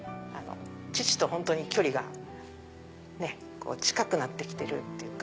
父と本当に距離が近くなって来てるっていうか。